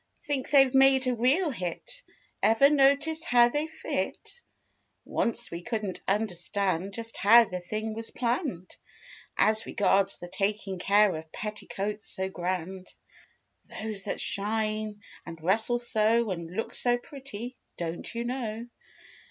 Think they've made a real hit. Ever notice how they fit? Once we couldn't understand just How the thing was planned As regards the taking care of Petticoats so grand— Those that shine and rustle so And look so pretty, don't you know.